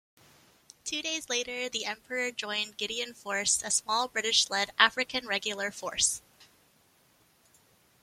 Two days later the Emperor joined Gideon Force, a small British-led African regular force.